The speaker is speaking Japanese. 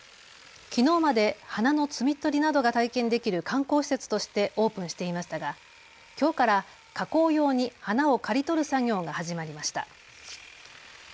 きのうまで花の摘み取りなどが体験できる観光施設としてオープンしていましたがきょうから加工用に花を刈り取る作業が始まりました。